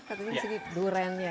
katanya disini durian ya